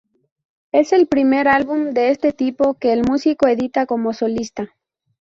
Es el primer álbum de este tipo que el músico edita como solista.